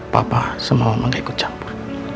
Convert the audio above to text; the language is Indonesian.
papa sama mama gak ikut campur ya